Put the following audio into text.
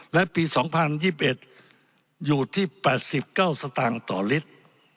และปี๒๐๒๑อยู่ที่๘๙สตางค์ต่อลิตร